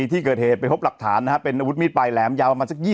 ยังไงยังไงยังไงยังไงยังไง